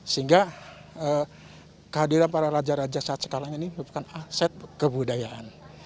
sehingga kehadiran para elajar elajar saat sekarang ini bukan aset kebudayaan